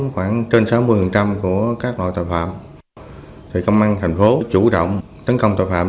khoảng trên sáu mươi của các loại tội phạm công an tp chủ động tấn công tội phạm